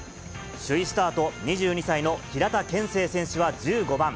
首位スタート、２２歳の平田憲聖選手は１５番。